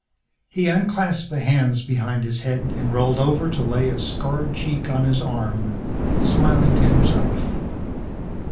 He unclasped the hands behind his head and rolled over to lay a scarred cheek on his arm, smiling to himself.